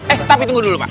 eh tapi tunggu dulu pak